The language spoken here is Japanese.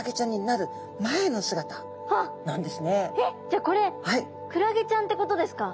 じゃあこれクラゲちゃんってことですか？